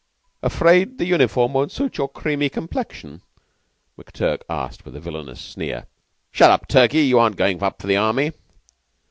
"Afraid the uniform won't suit your creamy complexion?" McTurk asked with a villainous sneer. "Shut up, Turkey. You aren't goin' up for the Army."